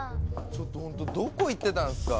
ちょっとほんとどこ行ってたんすか。